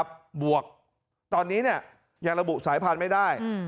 บวกตอนนี้ยังระบุสายพันธุ์ไม่ได้